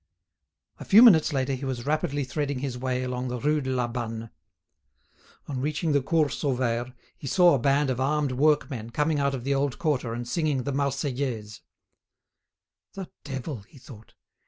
A few minutes later he was rapidly threading his way along the Rue de la Banne. On reaching the Cours Sauvaire, he saw a band of armed workmen coming out of the old quarter and singing the "Marseillaise." "The devil!" he thought.